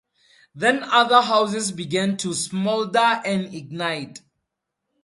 Then other houses began to smolder and ignite.